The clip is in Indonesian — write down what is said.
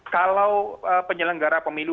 kalau penyelenggara pemilu